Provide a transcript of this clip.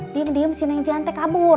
diam diam sini cihan teh kabur